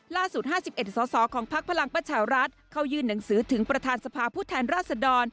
ล่าสุด๕๑สอสอของพักพลังประชารัฐเข้ายื่นหนังสือถึงประธานสภาผู้แทนราชดร